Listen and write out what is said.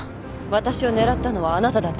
私を狙ったのはあなただったんでしょ？